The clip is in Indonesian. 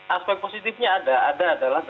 aspek positifnya ada ada adalah